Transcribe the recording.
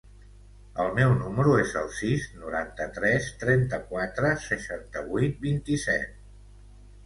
El meu número es el sis, noranta-tres, trenta-quatre, seixanta-vuit, vint-i-set.